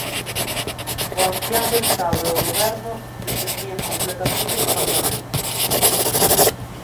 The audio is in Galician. O Ancián do Estado e o Goberno dependían completamente do Parlamento.